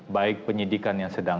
baik penyidikan yang sedang